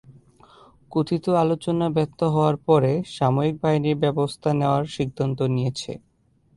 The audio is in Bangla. কথিত আলোচনা ব্যর্থ হওয়ার পরে, সামরিক বাহিনী ব্যবস্থা নেওয়ার সিদ্ধান্ত নিয়েছে।